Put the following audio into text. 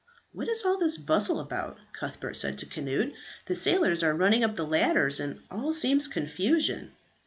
"What is all this bustle about?" Cuthbert said to Cnut. "The sailors are running up the ladders, and all seems confusion."